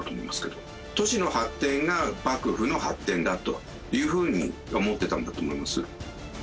都市の発展が幕府の発展だというふうに思ってたんだと思います。